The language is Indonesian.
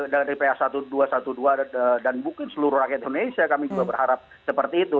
dari pa seribu dua ratus dua belas dan mungkin seluruh rakyat indonesia kami juga berharap seperti itu